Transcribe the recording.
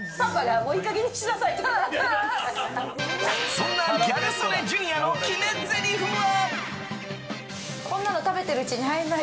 そんなギャル曽根ジュニアの決めぜりふは。